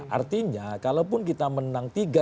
artinya kalaupun kita menang tiga